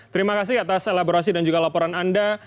terima kasih atas elaborasi dan juga laporan anda